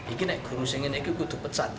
ini nih guru singin ini ini guru pecat